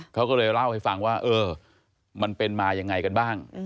เขาก็เลยเล่าให้ฟังว่าเออมันเป็นมายังไงกันบ้าง